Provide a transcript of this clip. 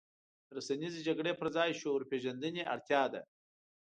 د رسنیزې جګړې پر ځای شعور پېژندنې اړتیا ده.